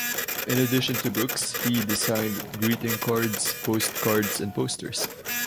In addition to books, he designed greeting cards, post cards, and posters.